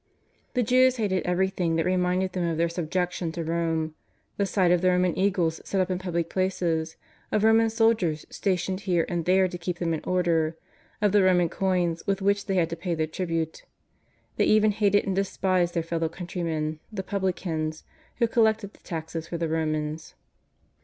The Jews hated everything that reminded them of their subjection to Rome, the sight of the Roman eagles set up in public places, of Roman soldiers stationed here and there to keep them in order, of the Roman coins with which they had to pay the tribute ; they even hated and despised their fellow countrymen, the publicans, who collected the taxes for the Romans.